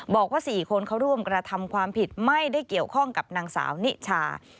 บอกว่า๔คนเขาร่วมกระทำความผิดไม่ได้เกี่ยวข้องกับนางสาวนิชา